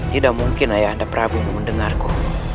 tidak mungkin ayah anda prabu mendengarku